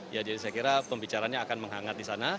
ya jadi saya kira pembicaraannya akan menghangat di sana